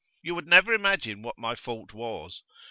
'You would never imagine what my fault was.